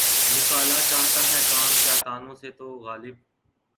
نکالا چاہتا ہے کام کیا طعنوں سے تو؟ غالبؔ!